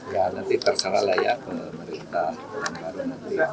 nanti terserah lah ya kemerdekaan